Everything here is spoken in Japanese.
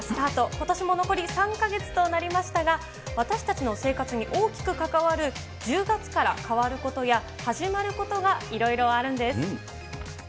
ことしも残り３か月となりましたが、私たちの生活に大きく関わる１０月から変わることや、始まることがいろいろあるんです。